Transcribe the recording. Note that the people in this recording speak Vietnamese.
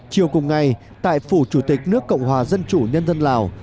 chiều cùng ngày tại phủ chủ tịch nước cộng hòa dân chủ nhân dân lào